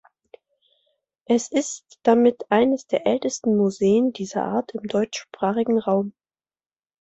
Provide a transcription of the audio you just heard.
Es ist damit eines der ältesten Museen dieser Art im deutschsprachigen Raum.